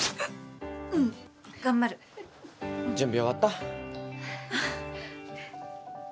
準備終わった？